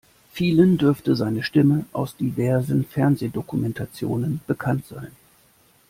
Vielen dürfte seine Stimme aus diversen Fernsehdokumentationen bekannt sein.